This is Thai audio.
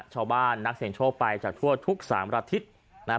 ชาวบ้านนักเสียงโชคไปจากทั่วทุก๓ละทิตย์นะฮะ